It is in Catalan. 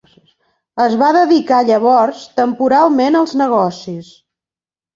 Es va dedicar llavors temporalment als negocis.